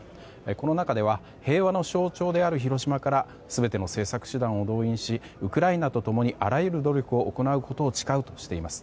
この中では平和の象徴である広島から全ての政策手段を動員しウクライナと共にあらゆる努力を行うことを誓うとしています。